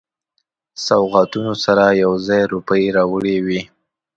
سوغاتونو سره یو ځای روپۍ راوړي وې.